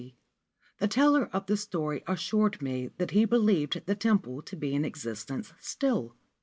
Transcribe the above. D., the teller of rt story assured me that he believed the temple to be i existence still.